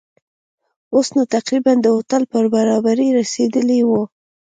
اوس نو تقریباً د هوټل پر برابري رسېدلي وو.